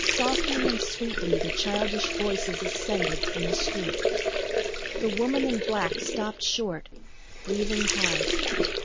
Softly and sweetly the childish voices ascended from the street. The woman in black stopped short, breathing hard.